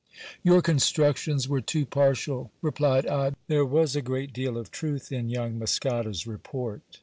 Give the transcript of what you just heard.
Your constructions were too partial, replied I ; there was a great deal of truth in young Muscada's report.